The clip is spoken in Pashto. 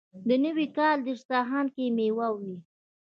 د نوي کال په دسترخان کې میوه وي.